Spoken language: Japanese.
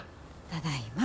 ただいま。